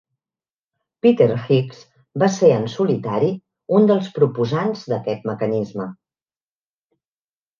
Peter Higgs va ser en solitari un dels proposants d'aquest mecanisme.